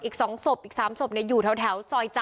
อีกสองศพอีกสามศพอยู่แถวซอยจัญ